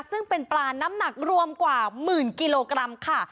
ซึ่งเป็นปลาน้ำหนักรวมกว่าหมื่นกิโลกรัมค่ะ